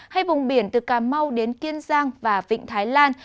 hay vùng biển từ cà mau đến kiên giang và vịnh thái lan